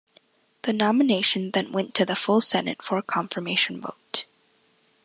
The nomination then went to the full Senate for a confirmation vote.